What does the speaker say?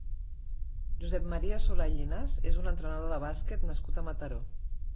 Josep Maria Solà i Llinàs és un entrenador de bàsquet nascut a Mataró.